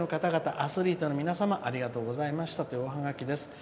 アスリートの皆様ありがとうございました」というおハガキです。